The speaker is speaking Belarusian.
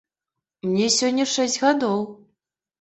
Мне сёння шэсць гадоў!